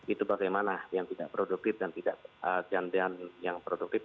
itu bagaimana yang tidak produktif dan tidak jandean yang produktif